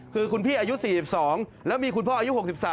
คือคุณพี่อายุ๔๒แล้วมีคุณพ่ออายุ๖๓